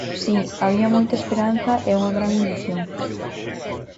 Si, había moita esperanza e unha gran ilusión.